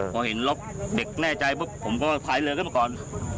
พอเห็นรถเด็กแน่ใจปุ๊บผมก็พายเรือขึ้นมาก่อน